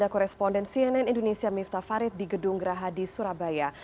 kedung geraha di surabaya